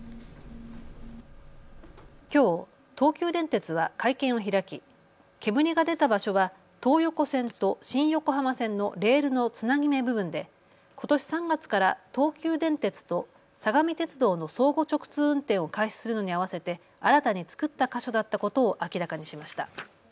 きょう、東急電鉄は会見を開き煙が出た場所は東横線と新横浜線のレールのつなぎ目部分でことし３月から東急電鉄と相模鉄道の相互直通運転を開始するのに合わせて新たに作った箇所だったことを明らかにしました。